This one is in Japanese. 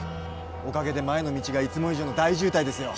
おかげで前の道がいつも以上の大渋滞ですよ